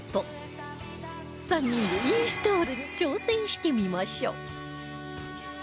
３人でインストールに挑戦してみましょう